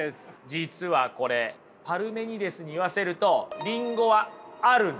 実はこれパルメニデスに言わせるとリンゴはあるんです。